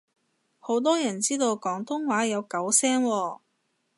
好多人知道廣東話有九聲喎